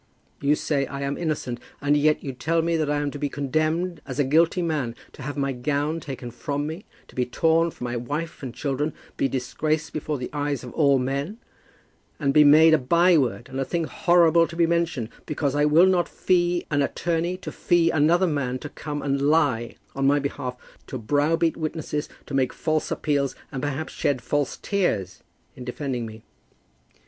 You say I am innocent, and yet you tell me I am to be condemned as a guilty man, have my gown taken from me, be torn from my wife and children, be disgraced before the eyes of all men, and be made a byword and a thing horrible to be mentioned, because I will not fee an attorney to fee another man to come and lie on my behalf, to browbeat witnesses, to make false appeals, and perhaps shed false tears in defending me.